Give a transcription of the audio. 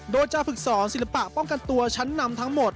โดยจะฝึกสอนศิลปะป้องกันตัวชั้นนำทั้งหมด